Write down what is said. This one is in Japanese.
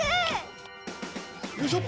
よいしょ！